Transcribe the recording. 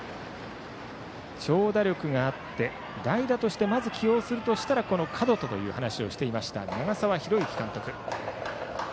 長打力があって代打としてまず起用するならこの角戸という話をしていました、長澤宏行監督。